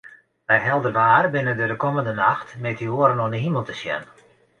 By helder waar binne der de kommende nacht meteoaren oan 'e himel te sjen.